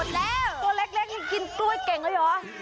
ตัวเล็กยังกินกล้วยเก่งแล้วเหรอ